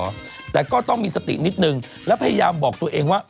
อยู่ตรงนี้ต้องมีสตินิดนึงและพยายามบอกตัวเองว่า